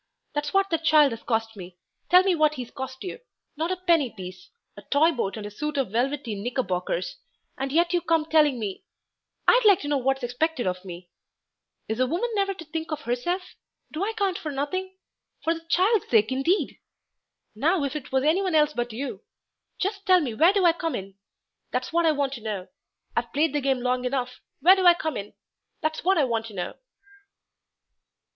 That's what that child has cost me. Tell me what he's cost you. Not a penny piece a toy boat and a suit of velveteen knickerbockers, and yet you come telling me I'd like to know what's expected of me. Is a woman never to think of herself? Do I count for nothing? For the child's sake, indeed! Now, if it was anyone else but you. Just tell me where do I come in? That's what I want to know. I've played the game long enough. Where do I come in? That's what I want to know."